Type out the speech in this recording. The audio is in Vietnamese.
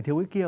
thiếu cái kia